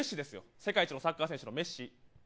世界一のサッカー選手の。